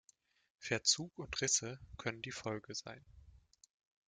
Verzug und Risse können die Folge sein.